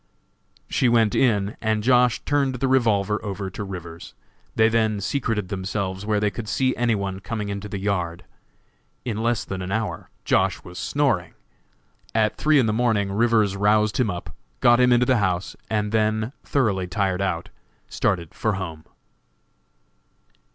She went in, and Josh. turned the revolver over to Rivers. They then secreted themselves where they could see any one coming into the yard. In less than an hour Josh. was snoring. At three in the morning Rivers roused him up, got him into the house, and then, thoroughly tired out, started for home.